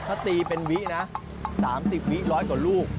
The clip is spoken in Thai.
ถ้าตีเป็นวินะ๓๐วิร้อยกว่าลูก